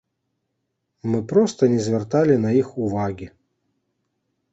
Мы проста не звярталі на іх увагі.